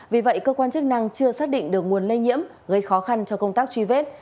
vì vậy cơ quan chức năng chưa xác định được nguồn lây nhiễm gây khó khăn cho công tác truy vết